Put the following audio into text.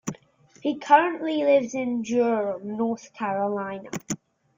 He currently lives in Durham, North Carolina.